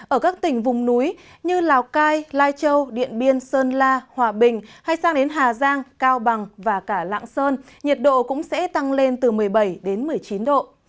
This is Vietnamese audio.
ở các tỉnh vùng núi như lào cai lai châu điện biên sơn la hòa bình hay sang đến hà giang cao bằng và cả lạng sơn nhiệt độ cũng sẽ tăng lên từ một mươi bảy đến một mươi chín độ